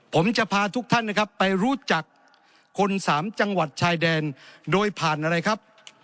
ผมจะพาทุกท่านนะครับไปรู้จักคนสามจังหวัดชายแดนโดยผ่านอะไรครับ